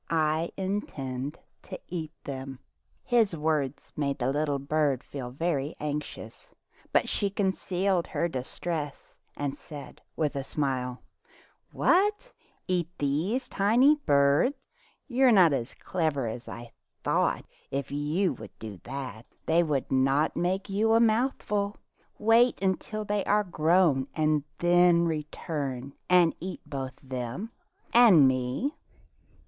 I intend to eat them." His words made the little bird feel very anxious, but she concealed her distress and said with a smile :" What ! eat these tiny birds ? f 116 Fairy Tale Foxes You are not as clever as I thought if you would do that. They would not make you a mouthful. Wait until they are grown and then return and eat both them and me."